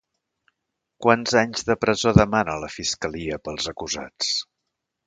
Quants anys de presó demana la fiscalia pels acusats?